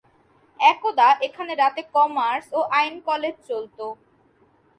একদা এখানে রাতে কমার্স ও আইন কলেজ চলত।